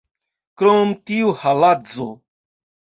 Krom tio haladzo!